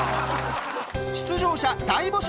出場者大募集！